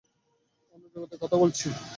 অন্য জগতের কথা বলছি না।